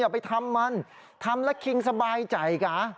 ไปทำมันทำแล้วคิงสบายใจกะ